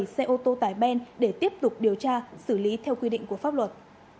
xe ô tô tải ben để tiếp tục điều tra xử lý theo quy định của pháp luật